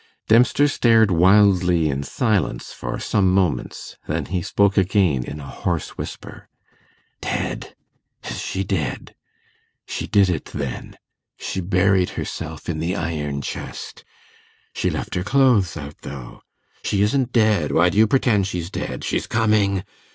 Dempster stared wildly in silence for some moments; then he spoke again in a hoarse whisper: 'Dead ... is she dead? She did it, then. She buried herself in the iron chest ... she left her clothes out, though ... she isn't dead ... why do you pretend she's dead? ... she's coming